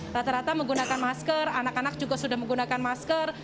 rata rata menggunakan masker anak anak juga sudah menggunakan masker